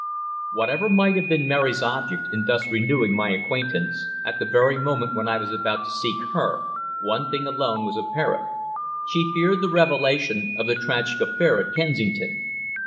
Whatever might have been Mary's object in thus renewing my acquaintance at the very moment when I was about to seek her, one thing alone was apparent she feared the revelation of the tragic affair at Kensington.